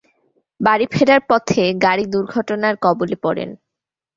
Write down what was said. বাড়ী ফেরার পথে গাড়ী দূর্ঘটনার কবলে পড়েন।